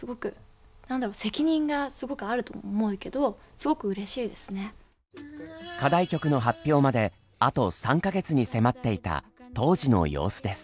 すごく何だろ課題曲の発表まであと３か月に迫っていた当時の様子です。